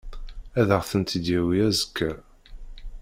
Ad aɣ-tent-id-yawi azekka.